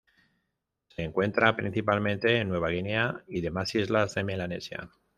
Se encuentra principalmente en Nueva Guinea y demás islas de Melanesia.